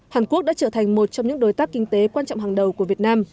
hàn quốc đã trở thành một trong những đối tác kinh tế quan trọng hàng đầu của việt nam